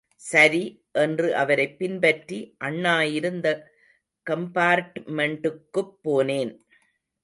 சரி என்று அவரைப் பின்பற்றி அண்ணா இருந்த கம்பார்ட்மெண்ட்டுக்குப் போனேன்.